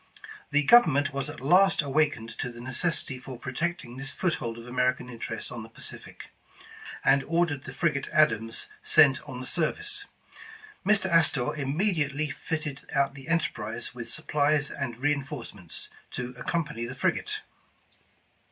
The Government was at last awakened to the necessity for protecting this foothold of American interest on the Pacific, and ordered the frigate Adams sent on the service. Mr. Astor immediate^ fitted out the Enterprise with supplies and reinforcements, to ac company the frigate.